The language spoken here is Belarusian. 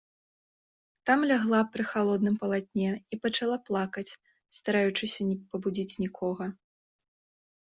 Там лягла пры халодным палатне і пачала плакаць, стараючыся не пабудзіць нікога.